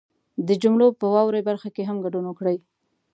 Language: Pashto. د جملو په واورئ برخه کې هم ګډون وکړئ